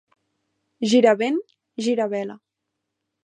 Gira vent, gira vela.